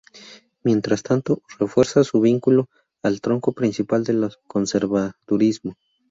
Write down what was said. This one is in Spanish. Mientras tanto refuerza su vínculo al tronco principal del conservadurismo.